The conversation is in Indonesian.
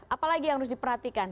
apalagi yang harus diperhatikan